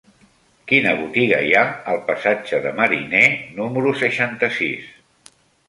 Quina botiga hi ha al passatge de Mariné número seixanta-sis?